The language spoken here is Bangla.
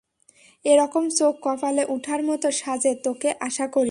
এরকম চোখ কপালে উঠার মতো সাঁজে তোকে আশা করিনি!